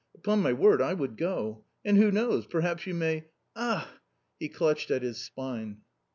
Upon my word, I would go ! And who knows ? perhaps you may .... Ugh !" He clutched at his spine.